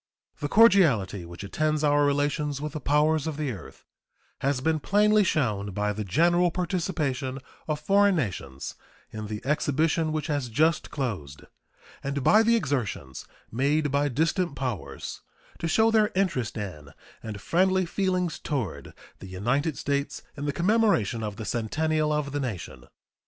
The cordiality which attends our relations with the powers of the earth has been plainly shown by the general participation of foreign nations in the exhibition which has just closed and by the exertions made by distant powers to show their interest in and friendly feelings toward the United States in the commemoration of the centennial of the nation.